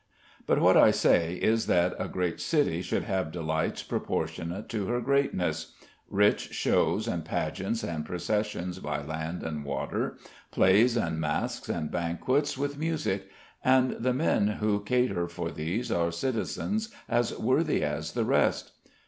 But what I say is that a great city should have delights proportionate to her greatness; rich shows and pageants and processions by land and water; plays and masques and banquets with music; and the men who cater for these are citizens as worthy as the rest.